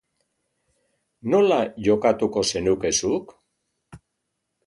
Nola jokatuko zenuke zuk?